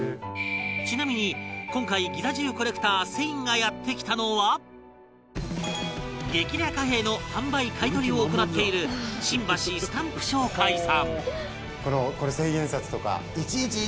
ちなみに、今回ギザ１０コレクターセインがやって来たのは激レア貨幣の販売、買取を行っている新橋スタンプ商会さんセイン：この千円札とか「１１１１１」。